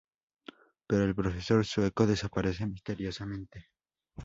Pero el profesor sueco desaparece misteriosamente.